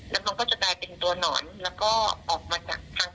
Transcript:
แล้วมันก็จะได้เป็นตัวหนอนแล้วก็ออกมาจากทางทิวหนังได้เหมือนกัน